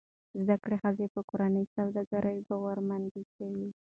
زده کړه ښځه په کورني سوداګرۍ باورمند کوي.